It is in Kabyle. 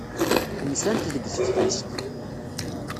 Nsant deg teftist.